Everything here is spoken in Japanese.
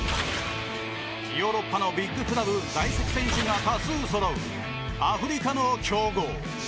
ヨーロッパのビッグクラブ在籍選手が多数そろう、アフリカの強豪。